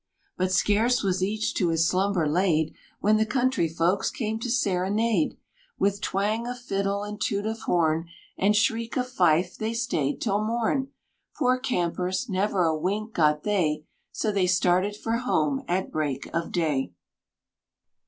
But scarce was each to his slumber laid, When the country folks came to serenade; With twang of fiddle, and toot of horn, And shriek of fife, they stayed till morn! Poor Campers! never a wink got they! So they started for home at break of day.